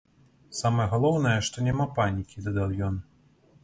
Самае галоўнае, што няма панікі, дадаў ён.